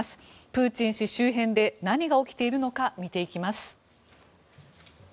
プーチン氏周辺で何が起きているのか見ていきます。